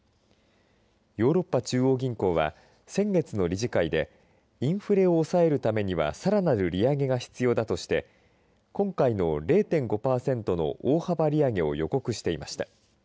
ヨーロッパ中央銀行は先月の理事会でインフレを抑えるためにはさらなる利上げが必要だとして今回の０．５パーセントの大幅利上げを予告していました。